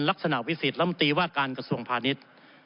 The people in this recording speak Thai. ลักษณะวิสิตฐ์ละมติว่าการกระทรวงภาณิษฐ์